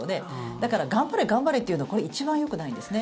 だから頑張れ、頑張れと言うのはこれは一番よくないんですね。